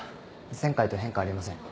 前回と変化ありません。